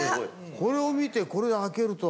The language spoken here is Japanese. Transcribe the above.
これを見てこれで開けるとは。